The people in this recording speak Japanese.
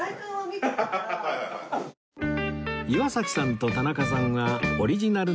岩崎さんと田中さんはオリジナルのジン